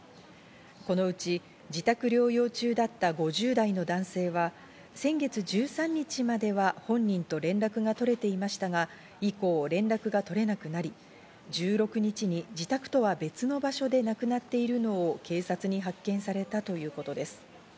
このうち自宅療養中だった５０代の男性は先月１３日までは本人と連絡が取れていましたが、以降、連絡が取れなくなり、１６日に自宅とは別の場所で亡くなっているのを警察に発見されたということです。